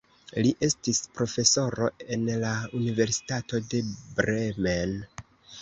Li estis profesoro en la Universitato de Bremen.